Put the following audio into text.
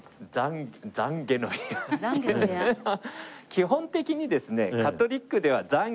基本的にですね。